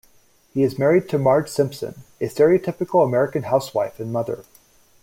He is married to Marge Simpson, a stereotypical American housewife and mother.